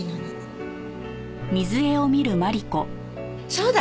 そうだ！